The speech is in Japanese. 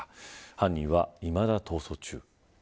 犯人はいまだ逃走中。